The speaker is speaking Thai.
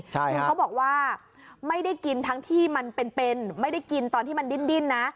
คือเขาบอกว่าไม่ได้กินทั้งที่มันเป็นไม่ได้กินตอนที่มันดิ้นนะ